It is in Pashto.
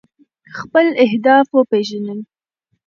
خپل اهداف وپیژنو.